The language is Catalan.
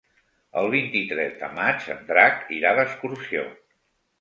El vint-i-tres de maig en Drac irà d'excursió.